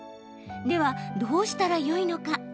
では、どうしたらよいのか。